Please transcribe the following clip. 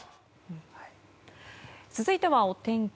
続いてはお天気。